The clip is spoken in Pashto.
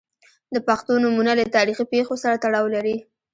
• د پښتو نومونه له تاریخي پیښو سره تړاو لري.